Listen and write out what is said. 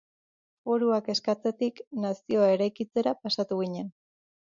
Foruak eskatzetik nazioa eraikitzera pasatu ginen.